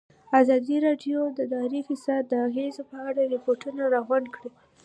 ازادي راډیو د اداري فساد د اغېزو په اړه ریپوټونه راغونډ کړي.